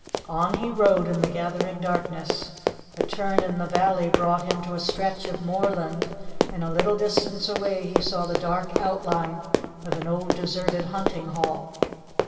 On he rode in the gathering darkness. A turn in the valley brought him to a stretch of moorland, and a little distance away he saw the dark outline of an old, deserted hunting hall.